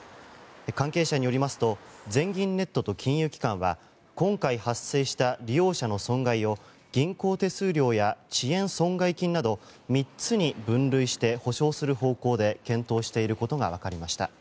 関係者によりますと全銀ネットと金融機関は今回発生した利用者の損害を銀行手数料や遅延損害金など３つに分類して補償する方向で検討していることがわかりました。